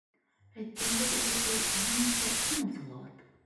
Әйткәндәй, өләсәй, һинеңсә, кем ул Салауат?